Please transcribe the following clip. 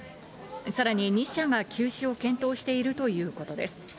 さらに２社が休止を検討しているということです。